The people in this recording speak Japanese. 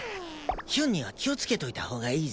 ヒュンには気をつけといた方がいいぜ？